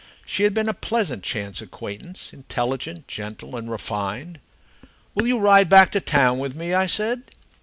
She had been a pleasant chance acquaintance intelligent, gentle, and refined. "Will you ride back to town with me?" I said.